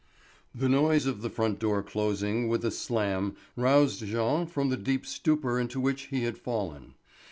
The noise of the front door closing with a slam roused Jean from the deep stupor into which he had fallen.